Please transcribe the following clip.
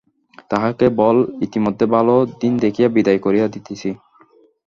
তাহাকে বল ইতিমধ্যে ভাল দিন দেখিয়া বিদায় করিয়া দিতেছি।